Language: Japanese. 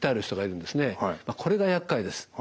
これがやっかいです。